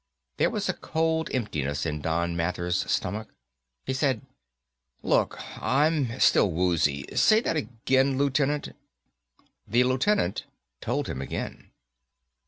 There was a cold emptiness in Don Mathers' stomach. He said, "Look, I'm still woozy. Say that again, Lieutenant." The Lieutenant told him again.